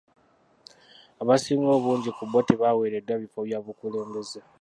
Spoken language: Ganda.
Abasinga obungi ku bbo tebawereddwa bifo bya bukulembeze.